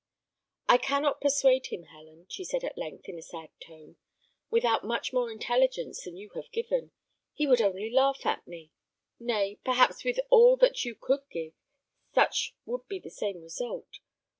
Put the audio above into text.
"I cannot persuade him, Helen," she said, at length, in a sad tone, "without much more intelligence than you have given: he would only laugh at me. Nay, perhaps with all that you could give, such would be the same result.